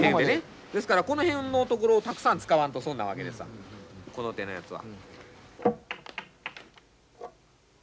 ですからこの辺のところをたくさん使わんと損なわけですわこの手のやつは。